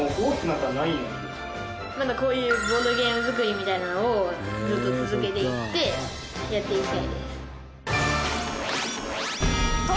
こういうボードゲーム作りみたいなのをずっと続けていってやっていきたいです。